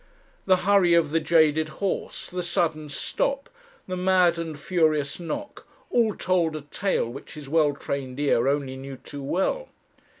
The hurry of the jaded horse, the sudden stop, the maddened furious knock, all told a tale which his well trained ear only knew too well.